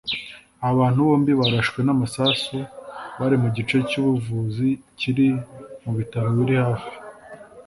aba bantu bombi barashwe n'amasasu bari mu gice cy'ubuvuzi kiri mu bitaro biri hafi